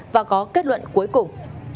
và có kết luận cuối cùng